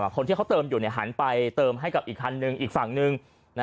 คุณที่ติดตอบเติมหันให้อีกฝั่งหนึ่ง